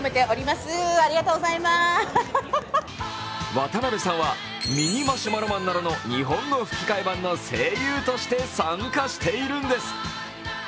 渡辺さんはミニ・マシュマロマンなどの日本語吹き替え版の声優として参加しているんです。